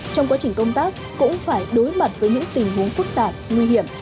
trong quá trình công tác cũng phải đối mặt với những tình huống phức tạp nguy hiểm